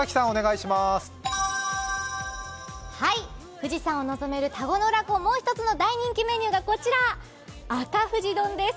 富士山をのぞめるこちらからもう一つの大人気メニューがこちら赤富士丼です。